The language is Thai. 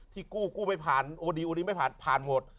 ที่กู้ไม่ผ่านโอดีไม่ผ่านผ่านหมด